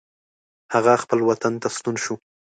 هغه خپل وطن ته ستون شو.